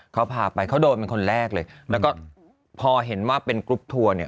เขาพาไปเขาโดนเป็นคนแรกเลยแล้วก็พอเห็นว่าเป็นกรุ๊ปทัวร์เนี่ย